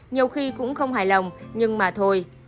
nhiều khi cũng không hài lòng nhưng mà thôi